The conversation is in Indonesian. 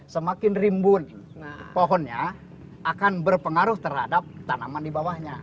semakin rimbun pohonnya akan berpengaruh terhadap tanaman di bawahnya